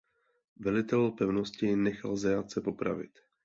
Velitel pevnosti nechal zajatce popravit.